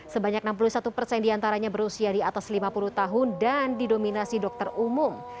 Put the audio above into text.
sebanyak enam puluh satu persen diantaranya berusia di atas lima puluh tahun dan didominasi dokter umum